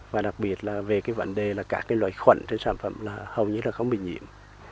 và đặc biệt là về vấn đề là các loại khuẩn trên sản phẩm hầu như không bị nhiễm